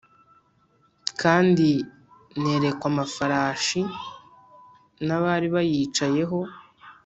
Kandi nerekwa amafarashi n’abari bayicayeho.